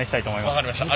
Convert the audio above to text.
分かりました。